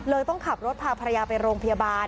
ต้องขับรถพาภรรยาไปโรงพยาบาล